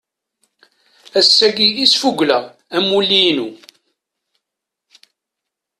Ass-agi i sfugleɣ amulli-inu.